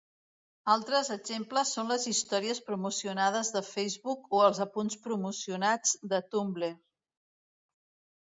Altres exemples són les històries promocionades de Facebook o els apunts promocionats de Tumblr.